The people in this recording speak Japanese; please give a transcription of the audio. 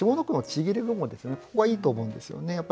ここがいいと思うんですよね。